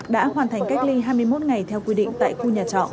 đã hoàn thành cách ly hai mươi một ngày theo quy định tại khu nhà trọ